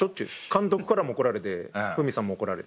監督からも怒られてふみさんも怒られて。